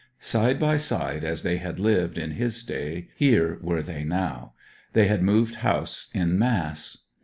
Side by side as they had lived in his day here were they now. They had moved house in mass.